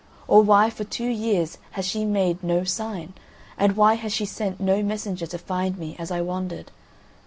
Or why for two years has she made no sign, or why has she sent no messenger to find me as I wandered?